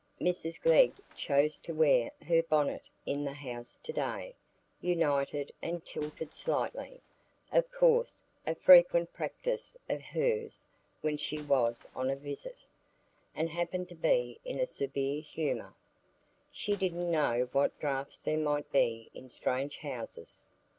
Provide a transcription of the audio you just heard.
Mrs Glegg chose to wear her bonnet in the house to day,—untied and tilted slightly, of course—a frequent practice of hers when she was on a visit, and happened to be in a severe humour: she didn't know what draughts there might be in strange houses.